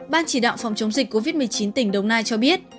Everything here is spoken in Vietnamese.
ban chỉ đạo phòng chống dịch covid một mươi chín tỉnh đồng nai cho biết